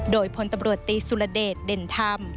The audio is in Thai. โดยพลตำรวจตีสุรเดชเด่นธรรม